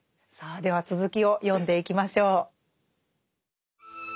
さあでは続きを読んでいきましょう。